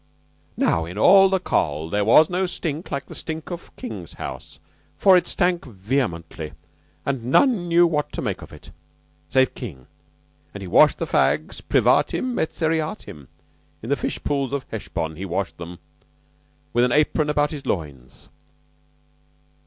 "Now in all the Coll. there was no stink like the stink of King's house, for it stank vehemently and none knew what to make of it. Save King. And he washed the fags privatim et seriatim. In the fishpools of Hesbon washed he them, with an apron about his loins."